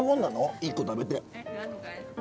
１個食べて。